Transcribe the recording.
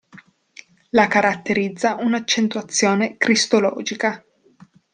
La caratterizza un'accentuazione cristologica.